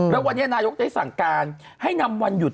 แล้ววันนี้นายกได้สั่งการให้นำวันหยุด